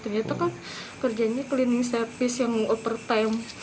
ternyata kan kerjanya cleaning service yang overtime